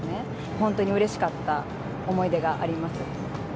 本当にうれしかった思い出があります。